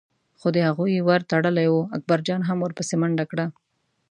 خو د هغوی ور تړلی و، اکبرجان هم ور پسې منډه کړه.